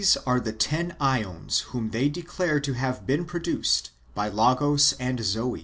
are the ten JEons whom they declare to have been produced by Logos and Zoe.